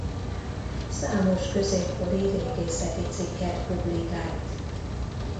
Számos középkori régészeti cikket publikált.